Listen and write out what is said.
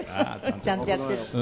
ちゃんとやっているって。